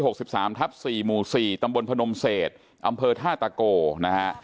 สามทับสี่หมู่สี่ตำบลพนมเศษอำเภอท่าตะโกนะฮะ